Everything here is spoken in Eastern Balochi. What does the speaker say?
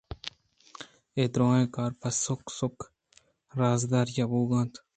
اے دُرٛاہیں کار پہ سُک سُک ءُ رازداری بوئگءَ اَنت